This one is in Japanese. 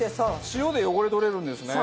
塩で汚れ取れるんですね。